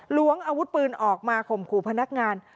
ล้วงอาวุธปืนออกมาข่มขู่พนักงาน